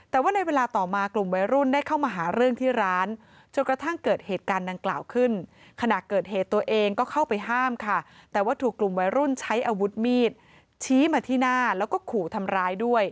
แต่ว่าในเวลาต่อมากลุ่มวัยรุ่นได้เข้ามาหาเรื่องที่ร้าน